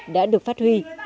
đã được phát huy